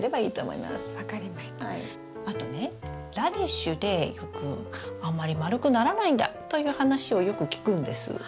あとねラディッシュでよくあんまり丸くならないんだという話をよく聞くんです。